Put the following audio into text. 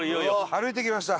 歩いてきました